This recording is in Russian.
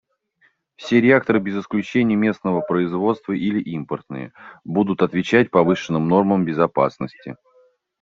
Все реакторы без исключения — местного производства или импортные — будут отвечать повышенным нормам безопасности.